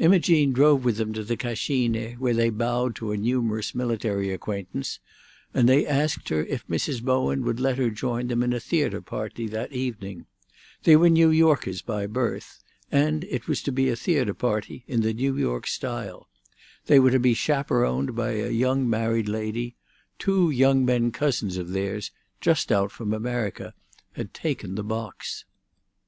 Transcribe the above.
Imogene drove with them to the Cascine, where they bowed to a numerous military acquaintance, and they asked her if Mrs. Bowen would let her join them in a theatre party that evening: they were New Yorkers by birth, and it was to be a theatre party in the New York style; they were to be chaperoned by a young married lady; two young men cousins of theirs, just out from America, had taken the box.